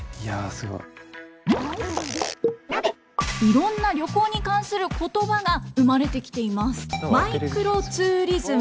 いろんな旅行に関する言葉が生まれてきています。